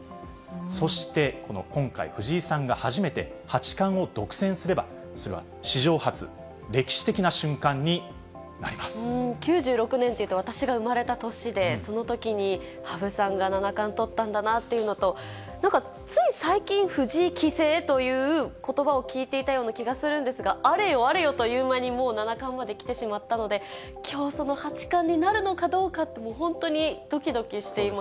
そして、この今回、藤井さんが初めて八冠を独占すれば、それは史上初、９６年っていうと、私が生まれた年で、そのときに羽生さんが七冠とったんだなっていうのと、なんかつい最近、藤井棋聖ということばを聞いていたような気がするんですが、あれよあれよという間にもう七冠まで来てしまったので、きょう、その八冠になるのかどうかって、本当にどきどきしています。